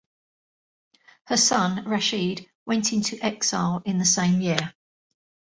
Her son, Rashid, went into exile in the same year.